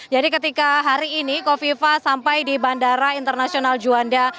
jadi ketika hari ini kofifah sampai di bandara internasional juanda